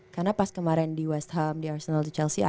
karena pas kemarin di west ham di arsenal di chelsea